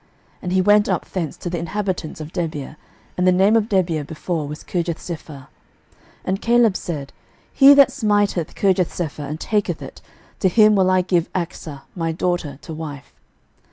06:015:015 And he went up thence to the inhabitants of Debir: and the name of Debir before was Kirjathsepher. 06:015:016 And Caleb said, He that smiteth Kirjathsepher, and taketh it, to him will I give Achsah my daughter to wife.